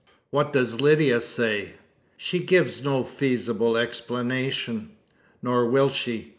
"What does Lydia say?" "She gives no feasible explanation." "Nor will she.